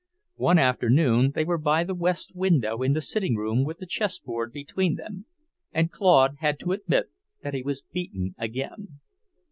One afternoon they were by the west window in the sitting room with the chess board between them, and Claude had to admit that he was beaten again.